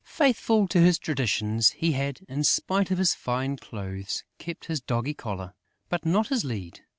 Faithful to his traditions, he had, in spite of his fine clothes, kept his dog collar, but not his lead.